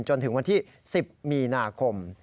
จนถึงวันที่๑๐มีนาคม